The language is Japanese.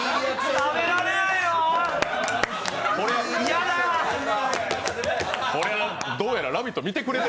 食べられないの？